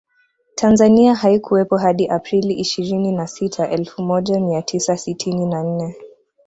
Tanzania haikuwepo hadi Aprili ishirini na sita Elfu moja mia tisa sitini na nne